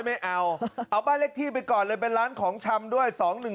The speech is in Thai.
ไม่เอาเอาบ้านเลขที่ไปก่อนเลยเป็นร้านของชำด้วย๒๑๒